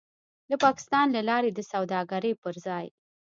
د پاکستان له لارې د سوداګرۍ پر ځای